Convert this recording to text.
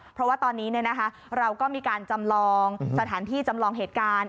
เพราะว่าตอนนี้เราก็มีการจำลองสถานที่จำลองเหตุการณ์